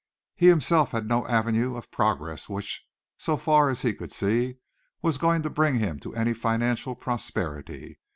He himself had no avenue of progress which, so far as he could see, was going to bring him to any financial prosperity.